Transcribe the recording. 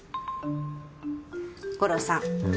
五郎さん